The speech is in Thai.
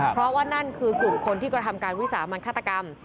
เพราะว่านั่นคือกลุ่มคนที่กระทำการวิสามันฆาตกรรม